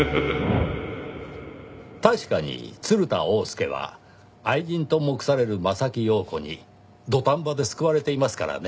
確かに鶴田翁助は愛人と目される柾庸子に土壇場で救われていますからね。